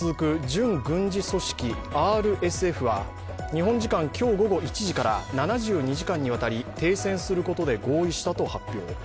準軍事組織ＲＳＦは日本時間今日午後１時から７２時間にわたり停戦することで合意したと発表。